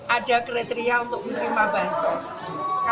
ada kriteria untuk menerima bansos